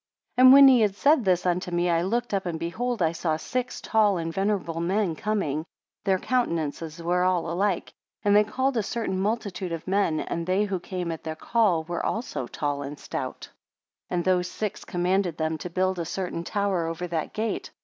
22 And when he had said this unto me I looked up, and behold I saw six tall and venerable men coming; their countenances were all alike, and they called a certain multitude of men; and they who came at their call were also tall and stout. 23 And those six commanded them to build a certain tower over that gate.